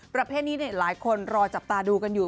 ประเภทนี้หลายคนรอจับตาดูกันอยู่